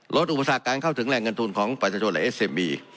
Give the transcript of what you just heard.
อุปสรรคการเข้าถึงแหล่งเงินทุนของประชาชนและเอสเซบี